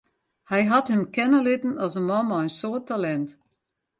Hy hat him kenne litten as in man mei in soad talint.